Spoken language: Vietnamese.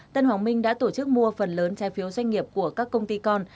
tân hoàng minh đã tổ chức mua phần lớn trái phiếu doanh nghiệp của các công ty con